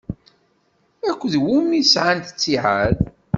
Akked wumi i sɛant ttiɛad?